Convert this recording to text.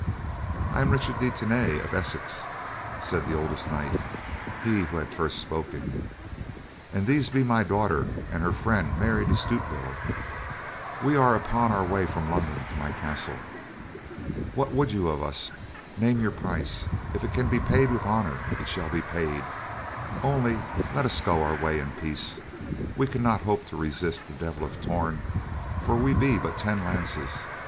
"I am Richard de Tany of Essex," said the oldest knight, he who had first spoken, "and these be my daughter and her friend, Mary de Stutevill. We are upon our way from London to my castle. What would you of us? Name your price, if it can be paid with honor, it shall be paid; only let us go our way in peace. We cannot hope to resist the Devil of Torn, for we be but ten lances.